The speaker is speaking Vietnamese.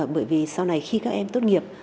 bởi vì sau này khi các em tốt nghiệp